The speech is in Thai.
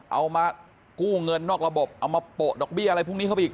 เอามากู้เงินนอกระบบเอามาโปะดอกเบี้ยอะไรพวกนี้เข้าไปอีก